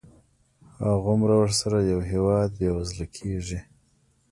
هغومره ورسره یو هېواد بېوزله کېږي.